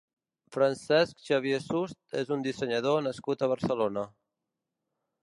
Francesc Xavier Sust és un dissenyador nascut a Barcelona.